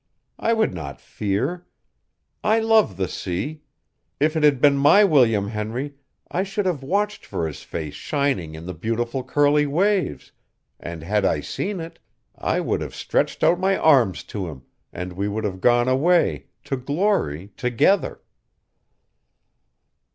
I would not fear. I love the sea. If it had been my William Henry, I should have watched for his face shining in the beautiful curly waves, and had I seen it, I would have stretched out my arms to him, and we would have gone away to glory together!"